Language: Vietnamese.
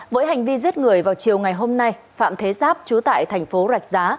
với hành vi giết người vào chiều ngày hôm nay phạm thế giáp chú tại thành phố rạch giá